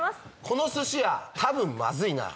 「この寿司屋多分マズイな」